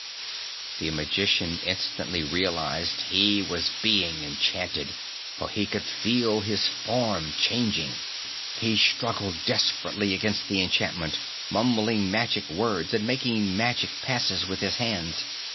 The magician instantly realized he was being enchanted, for he could feel his form changing. He struggled desperately against the enchantment, mumbling magic words and making magic passes with his hands.